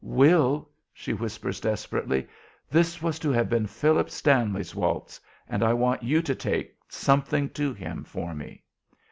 "Will!" she whispers, desperately. "This was to have been Philip Stanley's waltz and I want you to take something to him for me."